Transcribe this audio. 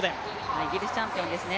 イギリスチャンピオンですね。